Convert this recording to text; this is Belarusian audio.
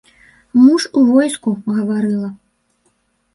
Муж у войску, гаварыла.